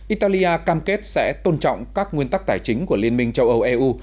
italia cam kết sẽ tôn trọng các nguyên tắc tài chính của liên minh châu âu eu